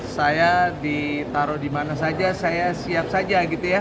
saya ditaruh dimana saja saya siap saja